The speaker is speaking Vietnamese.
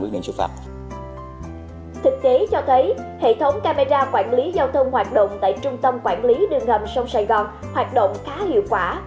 thực tế cho thấy hệ thống camera quản lý giao thông hoạt động tại trung tâm quản lý đường hầm sông sài gòn hoạt động khá hiệu quả